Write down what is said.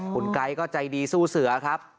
คุณไก๊ก็ใจดีสู้เสือครับ